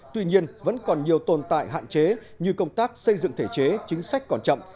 tuy nhiên vẫn còn nhiều tồn tại hạn chế như công tác xây dựng thể chế chính sách còn chậm